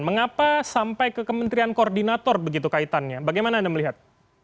mengapa sampai ke kementerian koordinator begitu kaitannya bagaimana anda melihat